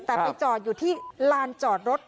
แต่ไปจอดอยู่ที่ลานจอดรถ